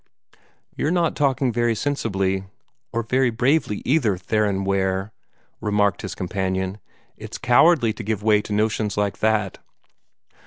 "You're not talking very sensibly, or very bravely either, Theron Ware," remarked his companion. "It's cowardly to give way to notions like that."